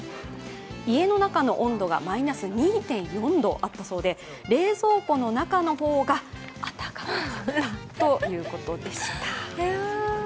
家の中の温度がマイナス２．４度あったそうで冷蔵庫の中の方が暖かかったということでした。